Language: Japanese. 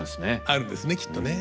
あるんですねきっとね。